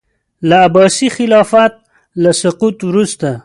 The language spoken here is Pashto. د عباسي خلافت له سقوط وروسته.